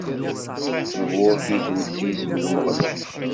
Nburek-iken s yisem n Umeɣlal!